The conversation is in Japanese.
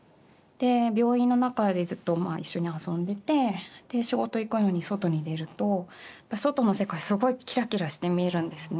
病院の中でずっと一緒に遊んでて仕事行くのに外に出ると外の世界すごいキラキラして見えるんですね。